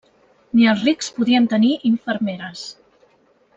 Ni els rics podien tenir infermeres.